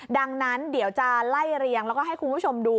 ดังนั้นเดี๋ยวจะไล่เรียงแล้วก็ให้คุณผู้ชมดู